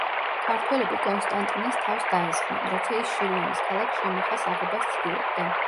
ქართველები კონსტანტინეს თავს დაესხნენ, როცა ის შირვანის ქალაქ შემახას აღებას ცდილობდა.